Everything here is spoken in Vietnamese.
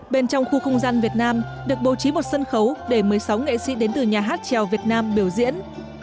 bên trong khu không gian việt nam được bố trí một sân khấu để một mươi sáu nghệ sĩ đến từ nhà hát trèo việt nam biểu diễn